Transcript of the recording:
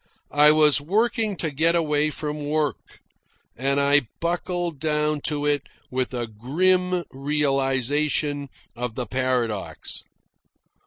I was working to get away from work, and I buckled down to it with a grim realisation of the paradox.